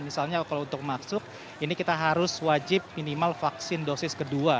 misalnya kalau untuk masuk ini kita harus wajib minimal vaksin dosis kedua